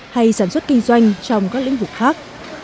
hay sản xuất kinh doanh trong các lĩnh vực khác